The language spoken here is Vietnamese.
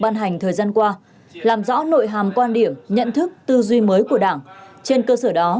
ban hành thời gian qua làm rõ nội hàm quan điểm nhận thức tư duy mới của đảng trên cơ sở đó